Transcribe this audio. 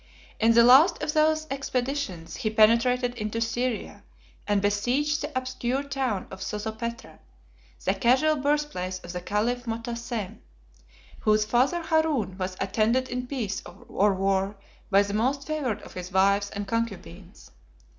In the last of these expeditions he penetrated into Syria, and besieged the obscure town of Sozopetra; the casual birthplace of the caliph Motassem, whose father Harun was attended in peace or war by the most favored of his wives and concubines.